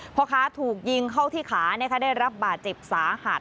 พ่อค้าถูกยิงเข้าที่ขาได้รับบาดเจ็บสาหัส